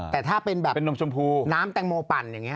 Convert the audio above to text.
แต่ถ้าเป็นน้ำชมพูน้ำแต่งโม่ปั่นอย่างนี้